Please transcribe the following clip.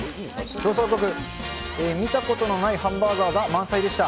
調査報告、見たことのないハンバーガーが満載でした。